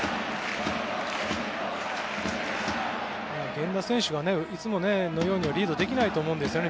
源田選手はいつものようにはリードできないと思うんですね。